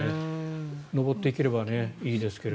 上っていければいいですけど。